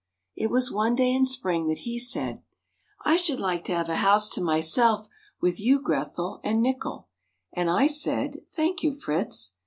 It was one day in spring that he said, "I should like to have a house to myself with you Grethel, and Nickel." And I said, "Thank you, Fritz."